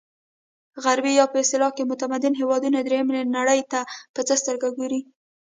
غربي یا په اصطلاح متمدن هېوادونه درېیمې نړۍ ته په څه سترګه ګوري.